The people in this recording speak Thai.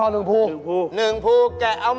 แล้ว